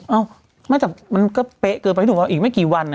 เอ้านะจับมันก็เป๊ะเกิดปะพี่หนุ่มอีกไม่กี่วัน